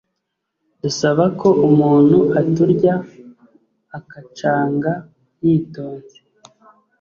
Dusaba ko umuntu aturya akacanga yitonze